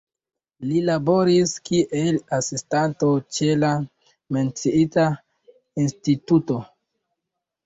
Li laboris kiel asistanto ĉe la menciita instituto.